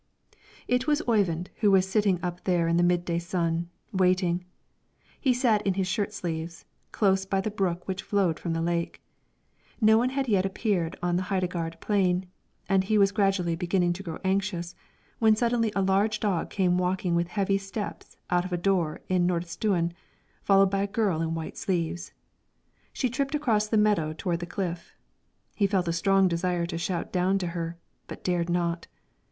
It was Oyvind who was sitting up there in the mid day sun, waiting. He sat in his shirt sleeves, close by the brook which flowed from the lake. No one yet appeared on the Heidegard plain, and he was gradually beginning to grow anxious when suddenly a large dog came walking with heavy steps out of a door in Nordistuen, followed by a girl in white sleeves. She tripped across the meadow toward the cliff; he felt a strong desire to shout down to her, but dared not.